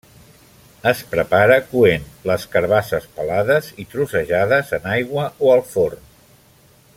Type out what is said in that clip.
Es prepara coent les carabasses pelades i trossejades en aigua o al forn.